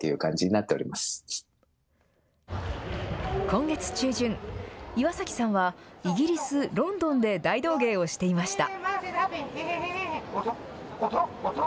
今月中旬、岩崎さんはイギリス・ロンドンで大道芸をしていました。